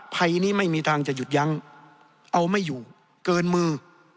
ภัยนี้ไม่มีทางจะหยุดยั้งเอาไม่อยู่เกินมือ